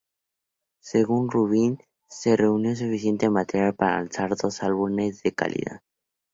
Según Rubin, se reunió suficiente material para lanzar dos álbumes de calidad.